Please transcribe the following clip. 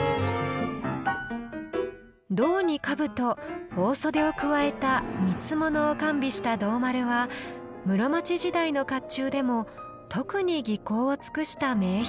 胴に兜大袖を加えた三物を完備した胴丸は室町時代の甲冑でも特に技巧を尽くした名品。